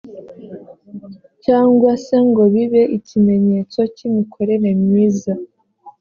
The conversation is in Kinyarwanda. cyangwa se ngo bibe ikimenyetso cy imikorere myiza